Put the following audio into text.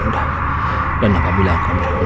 engkau adalah jakarting kirbenar